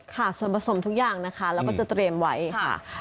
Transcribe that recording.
ค่ะส่วนผสมทุกอย่างนะคะเราก็จะเตรียมไว้ค่ะ